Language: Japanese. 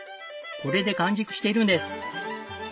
これで完熟しているんです！